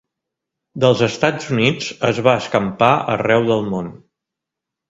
Dels Estats Units es va escampar arreu del món.